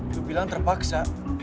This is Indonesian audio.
lo bilang terpaksa